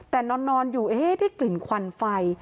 แต่นอนอยู่ได้กลิ่นควันไฟ